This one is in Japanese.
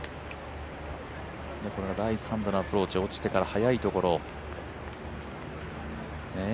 第３打のアプローチ、落ちてから速いところ。